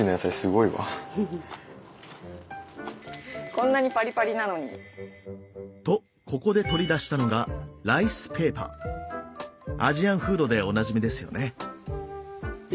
こんなにパリパリなのに。とここで取り出したのがアジアンフードでおなじみですよね。